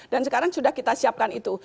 dan sekarang sudah kita siapkan itu